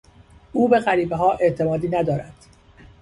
او به غریبهها اعتمادی ندارد.